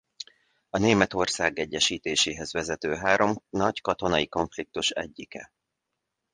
A Németország egyesítéséhez vezető három nagy katonai konfliktus egyike.